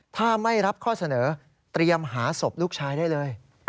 ถ้าไม่รับข้อเสนอเตรียมหาศพลูกชายได้เลย